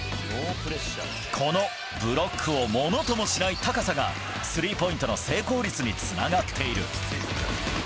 このブロックをものともしない高さが、スリーポイントの成功率につながっている。